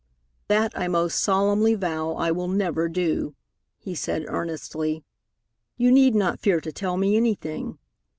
"That I most solemnly vow I will never do," he said earnestly. "You need not fear to tell me anything.